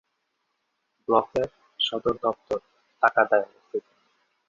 ব্লকের সদর দফতর তাকদায় অবস্থিত।